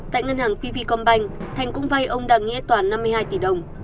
tại ngân hàng pv combine thành cũng vai ông đặng nghĩa toàn năm mươi hai tỷ đồng